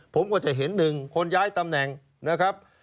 ผมก็จะเห็น๑คนย้ายตำแหน่งนะครับ